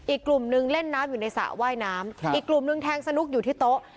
อีกกลุ่มนึงเล่นน้ำอยู่ในสระว่ายน้ำอีกกลุ่มนึงแทงสนุกอยู่ที่โต๊ะ